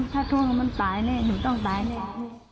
ถ้าทนแล้วมันตายหนูต้องตายเลย